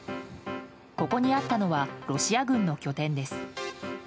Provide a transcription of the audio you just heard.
ここにあったのはロシア軍の拠点です。